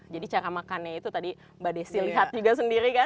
jadi cara makannya itu tadi mbak desi lihat juga sendiri kan